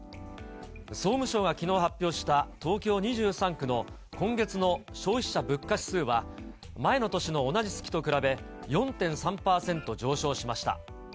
総務省がきのう発表した、東京２３区の今月の消費者物価指数は、前の年の同じ月と比べ、４．３％上昇しました。